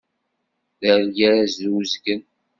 D argaz d uzgen!